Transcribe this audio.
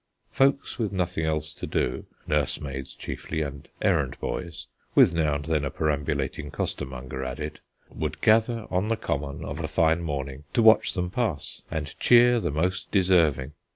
Folks with nothing else to do, nursemaids chiefly and errand boys, with now and then a perambulating costermonger added, would gather on the common of a fine morning to watch them pass, and cheer the most deserving.